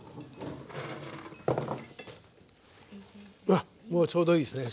あっもうちょうどいいですね。